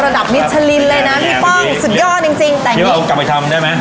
ระดับมิชชาลินทร์เลยนะนี่ป้องสุดยอดจริงจริงเอากลับมาทำได้ไหม